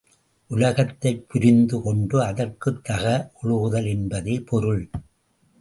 உலகத்தைப் புரிந்து கொண்டு அதற்குத்தக ஒழுகுதல் என்பதே பொருள்.